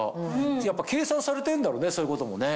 やっぱ計算されてんだろうねそういうこともね。